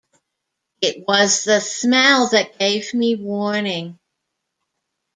It was the smell that gave me warning.